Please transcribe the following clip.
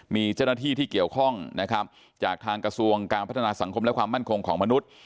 มีเจ้าหน้าที่ที่เกี่ยวข้องนะครับจากทางกระทรวงการพัฒนาสังคมและความมั่นคงของมนุษย์